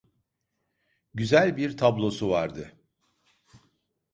Güzel bir tablosu vardı…